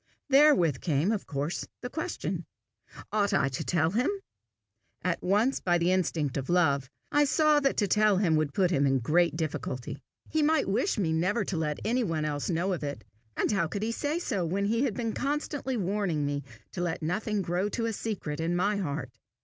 Therewith came, of course, the question Ought I to tell him? At once, by the instinct of love, I saw that to tell him would put him in a great difficulty. He might wish me never to let any one else know of it, and how could he say so when he had been constantly warning me to let nothing grow to a secret in my heart?